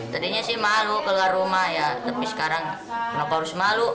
tadinya sih malu keluar rumah ya tapi sekarang kenapa harus malu